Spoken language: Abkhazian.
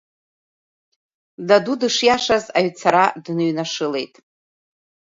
Даду дышиашаз аҩцара дныҩнашылеит.